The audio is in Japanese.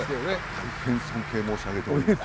大変尊敬申し上げております。